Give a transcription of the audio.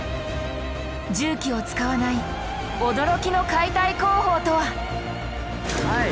重機を使わない驚きの解体工法とは⁉はい！